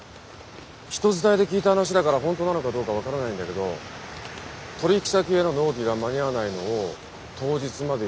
人伝えで聞いた話だから本当なのかどうか分からないんだけど取引先への納期が間に合わないのを当日まで言わないで。